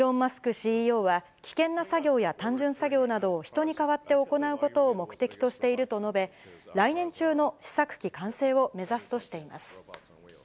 ＣＥＯは、危険な作業や単純作業を人に代わって行うことを目的としていると述べ、来年中の試作機完成を目指すとしています。